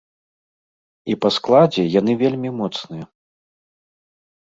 І па складзе яны вельмі моцныя.